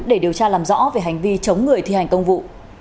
để điều tra làm rõ về hành vi chống người thi hành công vụ